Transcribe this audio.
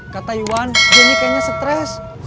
kata wan johnny kayaknya stress